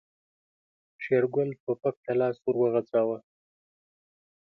شېرګل ټوپک ته لاس ور وغځاوه.